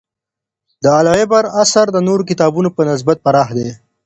د «العِبر» اثر د نورو کتابونو په نسبت پراخ دی.